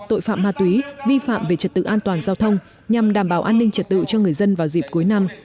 tội phạm ma túy vi phạm về trật tự an toàn giao thông nhằm đảm bảo an ninh trật tự cho người dân vào dịp cuối năm